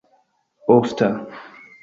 ofta